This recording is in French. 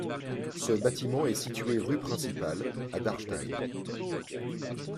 Ce bâtiment est situé rue Principale à Dachstein.